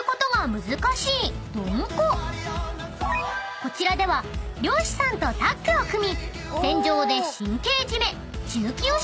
［こちらでは漁師さんとタッグを組み］